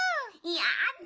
やだ